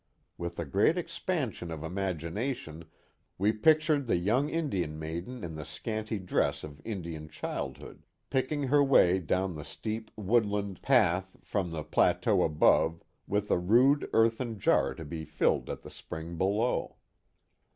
With a great expansion of imagination we pictured the young Indian maiden in the scanty dress of Indian childhood, picking her way down the steep woodland t 3S0 The Mohawk Valley path from the plateau above, with a rude earthen jar to be filled at the spring below.